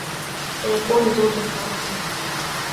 سيكون زوجا صالحا.